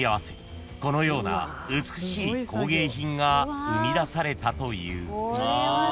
このような美しい工芸品が生み出されたという］